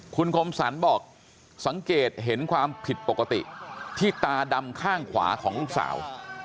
คุณคมสรรบอกสังเกตเห็นความผิดปกติที่ตาดำข้างขวาของลูกสาว